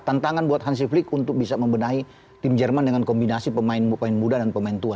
tantangan buat hansiflik untuk bisa membenahi tim jerman dengan kombinasi pemain pemain muda dan pemain tua